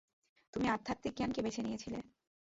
তুমি আধ্যাত্মিক জ্ঞানকে বেছে নিয়েছিলে।